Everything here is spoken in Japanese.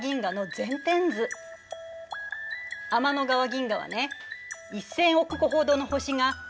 天の川銀河はね１，０００億個ほどの星が直径